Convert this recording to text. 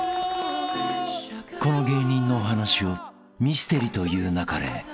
［この芸人のお話をミステリと言う勿れ］